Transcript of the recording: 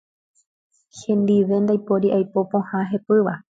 Hendive ndaipóri aipo pohã hepýva.